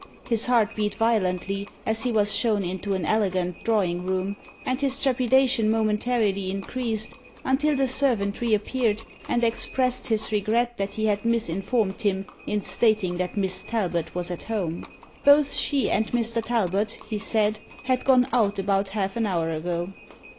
His heart beat violently as he was shown into an elegant drawing room, and his trepidation momentarily increased, until the servant reappeared and expressed his regret that he had misinformed him in stating that Miss Talbot was at home. Both she and Mr. Talbot, he said, had gone out about half an hour ago.